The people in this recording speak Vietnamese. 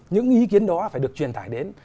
những ý kiến đó phải được truyền tải đến